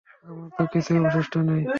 আমার তো কিছুই অবশিষ্ট নেই।